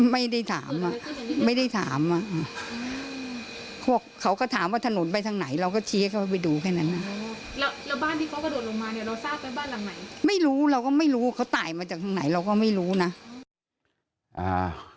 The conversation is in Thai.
ไม่รู้เราก็ไม่รู้เขาตายมาจากทางไหนเราก็ไม่รู้นะ